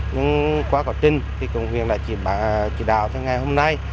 nhưng quá có tình thì công viên đã chỉ đạo cho ngày hôm nay